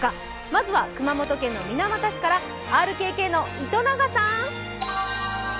まずは、熊本県水俣市からＲＫＫの糸永さん。